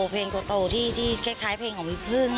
เพลงโตที่คล้ายเพลงของพี่พึ่ง